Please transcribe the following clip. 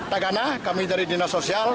tagana kami dari dinas sosial